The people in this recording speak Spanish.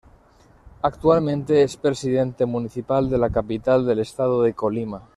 Actualmente es presidente municipal de la capital del estado de Colima.